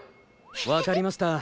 わかりました。